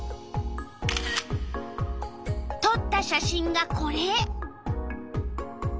とった写真がこれ。